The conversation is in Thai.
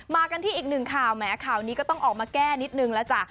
กันที่อีกหนึ่งข่าวแหมข่าวนี้ก็ต้องออกมาแก้นิดนึงแล้วจ้ะ